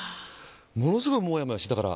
ものすごいもやもやして。